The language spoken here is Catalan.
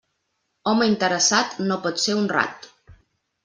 Home interessat, no pot ser honrat.